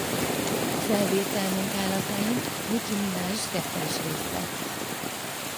A felvétel munkálatain Nicki Minaj rapper is részt vett.